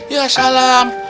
ya ya salam